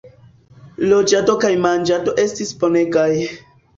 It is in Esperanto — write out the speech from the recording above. Loĝado kaj manĝado estis bonegaj.